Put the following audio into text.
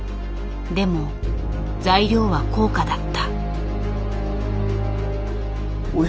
でも材料は高価だった。